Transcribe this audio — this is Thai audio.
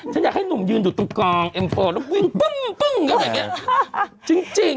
ฉันอยากให้หนุ่มยืนอยู่ตรงกลางแล้ววิ่งปึ้งปึ้งอย่างเงี้ยจริงจริง